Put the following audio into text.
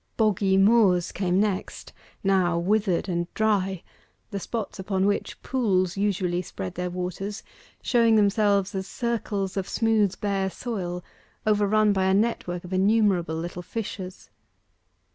Boggy moors came next, now withered and dry the spots upon which pools usually spread their waters showing themselves as circles of smooth bare soil, over run by a net work of innumerable little fissures.